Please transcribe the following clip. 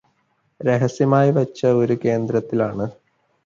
രഹസ്യമായി വച്ച ഒരു കേന്ദ്രത്തിൽ ആണ്